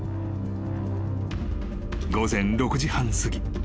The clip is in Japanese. ［午前６時半すぎ］